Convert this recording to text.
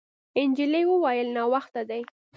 نجلۍ وویل: «ناوخته دی.»